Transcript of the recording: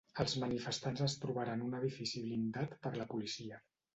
Els manifestants es trobaran un edifici blindat per la policia.